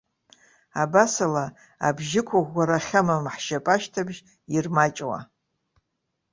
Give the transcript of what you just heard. Абасала, абжьықәыӷәӷәара ахьамам ҳшьапы ашьҭыбжь ирмаҷуа.